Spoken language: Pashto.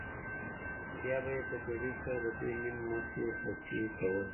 بیا به یې په تېزۍ سره د دوی نیم مخي غچي کول.